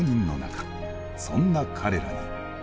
そんな彼らに。